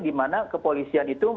dimana kepolisian itu